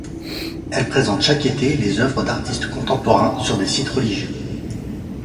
Elle présente chaque été les œuvres d'artistes contemporains sur des sites religieux.